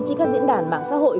trên các diễn đàn mạng xã hội